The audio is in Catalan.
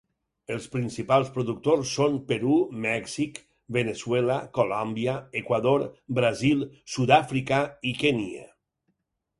Els principals productors són Perú, Mèxic, Veneçuela, Colòmbia, Equador, Brasil, Sud-àfrica i Kenya.